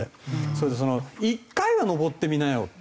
それで１回は登ってみなよって。